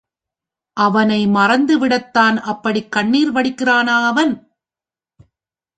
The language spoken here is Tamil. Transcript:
அவனை மறந்துவிடத்தான் அப்படிக் கண்ணீர் வடிக்கிறானா அவன்?